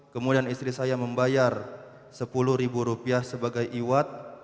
kemudian istri saya membayar sepuluh ribu rupiah sebagai iwad